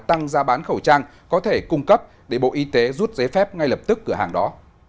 tăng giá bán khẩu trang có thể cung cấp để bộ y tế rút giấy phép ngay lập tức cửa hàng đó